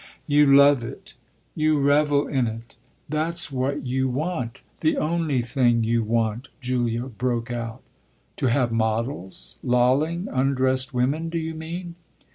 "You love it, you revel in it; that's what you want the only thing you want!" Julia broke out. "To have models, lolling undressed women, do you mean?"